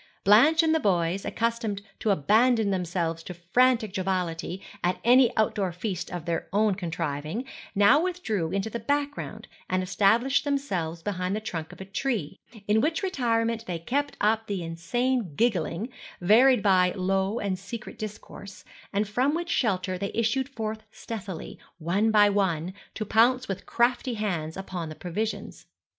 Blanche and the boys, accustomed to abandon themselves to frantic joviality at any outdoor feast of their own contriving, now withdrew into the background, and established themselves behind the trunk of the tree, in which retirement they kept up an insane giggling, varied by low and secret discourse, and from which shelter they issued forth stealthily, one by one, to pounce with crafty hands upon the provisions.